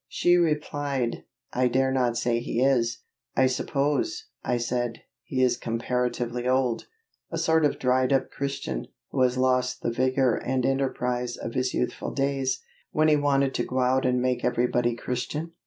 She replied, "I dare not say he is." "I suppose," I said "he is comparatively old a sort of dried up Christian, who has lost the vigor and enterprise of his youthful days, when he wanted to go out and make everybody Christian?"